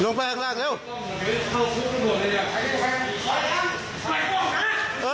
เออลุงไปครั้งแรก